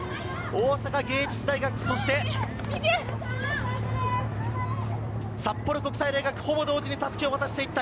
大阪芸術大学、そして札幌国際大学、ほぼ同時に襷を渡していった。